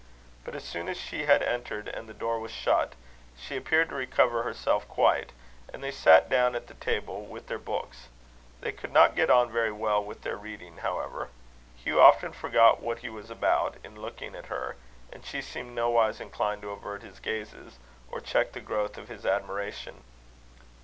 But as soon as she had entered, and the door was shut, she appeared to recover herself quite; and they sat down at the table with their books. They could not get on very well with their reading, however. Hugh often forgot what he was about, in looking at her; and she seemed nowise inclined to avert his gazes, or check the growth of his admiration.